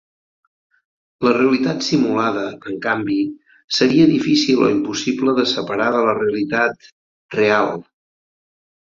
La realitat simulada, en canvi, seria difícil o impossible de separar de la realitat "real".